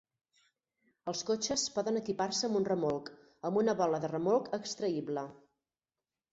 Els cotxes poden equipar-se amb un remolc amb una bola de remolc extraïble.